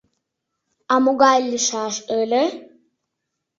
— А могай лийшаш ыле?